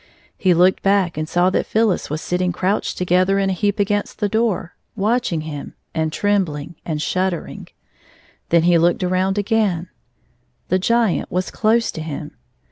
He looked back and saw that Phyllis was sitting crouched together in a heap against the door, watching him, and trem bling and shuddering. Then he looked around again; the Giant was close to him.